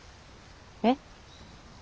えっ？